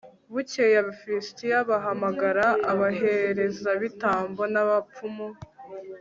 bukeye, abafilisiti bahamagara abaherezabitambo n'abapfumu